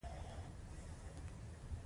ایکوسیسټم د ژویو او چاپیریال اړیکه ده